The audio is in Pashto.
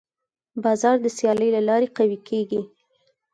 بازار د سیالۍ له لارې قوي کېږي.